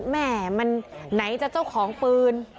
แม่มันไหนจะเจ้าของปืน